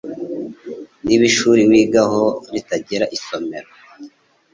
Niba ishuri wigaho ritagira isomero